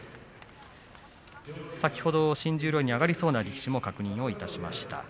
新十両上がりそうな力士を確認いたしました。